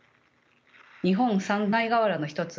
日本三大瓦の一つ